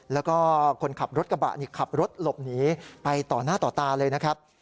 แล้วก็คนขับรถกระบะนี่ขับรถหลบหนีไปต่อหน้าต่อตาเลยนะครับ